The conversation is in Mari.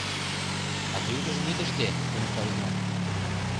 — А тый утыжым ит ыште, — туныкта Йыгнат.